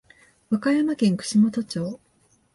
和歌山県串本町